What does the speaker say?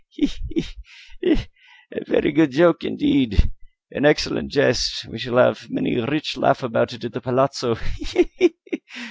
he! he! he! a very good joke indeed an excellent jest. We shall have many a rich laugh about it at the palazzo he! he!